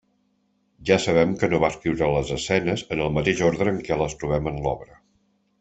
Ja sabem que no va escriure les escenes en el mateix ordre en què les trobem en l'obra.